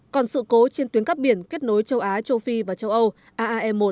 còn sự cố trên tuyến cắp biển kết nối châu á châu phi và châu âu aae một